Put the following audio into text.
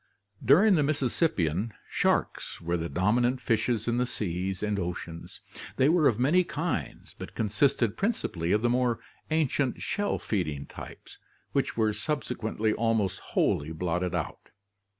During the Mississippian, sharks were the dominant fishes in the seas and oceans. They were of many kinds but consisted prin cipally of the more ancient shell feeding types which were subse quently almost wholly blotted out.